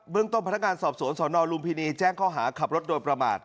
ต้นพนักงานสอบสวนสนลุมพินีแจ้งข้อหาขับรถโดยประมาท